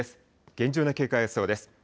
厳重な警戒が必要です。